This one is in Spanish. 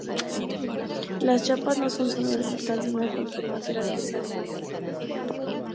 Las chapas no son solo de metal, sino de cualquier material que sea maleable.